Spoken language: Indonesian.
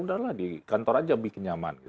sudahlah di kantor saja bikin nyaman